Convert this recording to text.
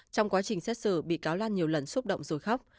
trong quá trình xét xử bị cáo lan nhiều lần xúc động rồi khóc